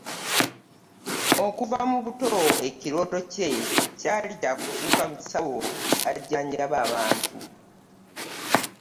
Okuva mubuto ekiroto kye kyali kya kufuuka musawo ajanjaba abantu.